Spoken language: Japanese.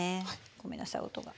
ごめんなさい音が。